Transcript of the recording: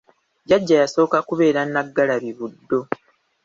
Jjajja yasooka kubeera Nnaggalabi Buddo.